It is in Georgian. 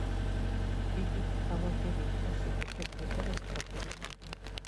იგი მრავალჯერ იქნა შეკეთებული და რესტავრირებული.